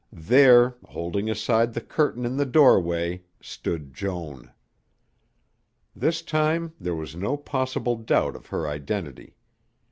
There, holding aside the curtain in the doorway, stood Joan. This time there was no possible doubt of her identity.